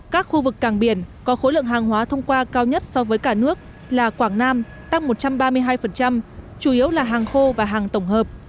các khu vực cảng biển có khối lượng hàng hóa thông qua cao nhất so với cả nước là quảng nam tăng một trăm ba mươi hai chủ yếu là hàng khô và hàng tổng hợp